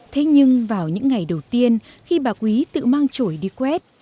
thế nhưng vào những ngày đầu tiên khi bà quý tự mang trổi đi quét